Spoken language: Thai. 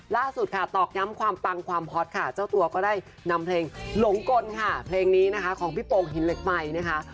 ล่าสุดค่ะตอกย้ำความปังความฮอตค่ะเจ้าตัวก็ได้นำเพลงหลงกลค่ะเพลงนี้นะคะของพี่โป่งหินเหล็กไมค์นะคะ